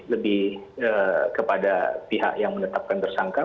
lebih kepada pihak yang menetapkan tersangka